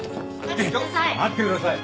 待ってください！